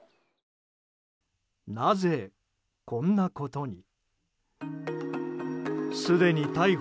なぜこんなことに？